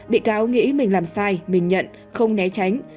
bị cáo nghĩ mình làm sai mình nhận không né tránh